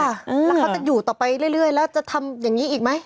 แล้วเขาจะอยู่ต่อไปเรื่อยแล้วจะทำอย่างนี้อีกไหม